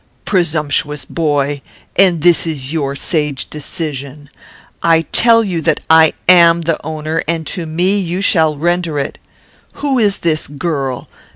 "Presumptuous boy! And this is your sage decision. I tell you that I am the owner, and to me you shall render it. Who is this girl?